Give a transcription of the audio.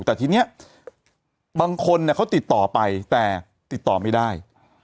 แต่ทีนี้บางคนเขาติดต่อไปแต่ติดต่อไม่ได้